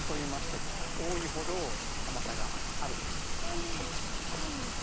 えそうなんです。